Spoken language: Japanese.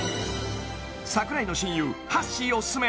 櫻井の親友はっしーおすすめ